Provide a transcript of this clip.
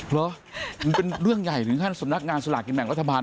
มันเป็นเรื่องใหญ่ถึงขั้นสำนักงานสลากกินแบ่งรัฐบาล